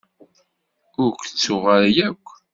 Ur k-ttuɣ ara akk.